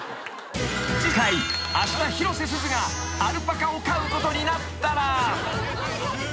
［次回あした広瀬すずがアルパカを飼うことになったら］